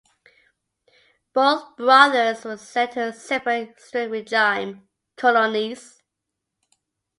Both brothers were sent to separate strict regime colonies.